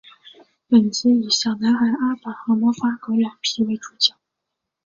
本集以小男孩阿宝和魔法狗老皮为主角。